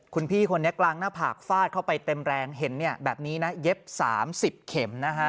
คุณพี่คนนี้กลางหน้าผากฟาดเข้าไปเต็มแรงเห็นเนี่ยแบบนี้นะเย็บ๓๐เข็มนะฮะ